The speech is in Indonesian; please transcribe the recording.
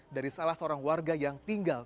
dari salah seorang warga yang tinggal